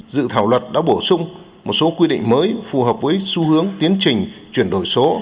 dự thảo luật đã bổ sung một số quy định mới phù hợp với xu hướng tiến trình chuyển đổi số